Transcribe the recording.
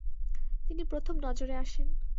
তিনি প্রথম নজরে আসেন।